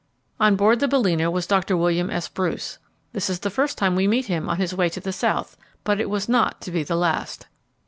On board the Balæna was Dr. William S. Bruce. This is the first time we meet with him on his way to the South, but it was not to be the last.